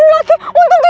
untung kiki gak diapa apain